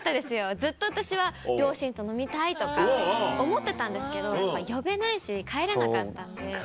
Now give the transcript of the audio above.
ずっと私は両親と飲みたいとか思ってたんですけどやっぱ呼べないし帰れなかったんで。